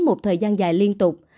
một thời gian dài liên tục